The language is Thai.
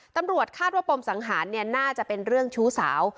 ตำรวจคาดว่าปมสังหารน่าจะเป็นเรื่องชู้สาว